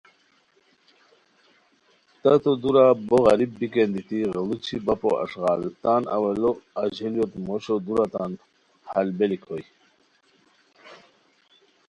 تتو دُورہ بو غریب بیکین دیتی غیڑوچی بپو اݱغال تان اوّلو ا ژیلیوت موشو دُورہ تان ہال بیلیک ہوئے